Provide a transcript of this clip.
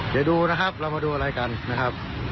เดี๋ยวดูนะครับเรามาดูอะไรกันนะครับ